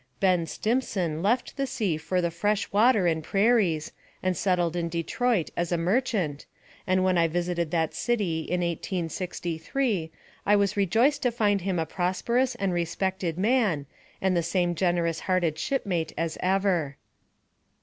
Ben Stimson left the sea for the fresh water and prairies, and settled in Detroit as a merchant, and when I visited that city, in 1863, I was rejoiced to find him a prosperous and respected man, and the same generous hearted shipmate as ever.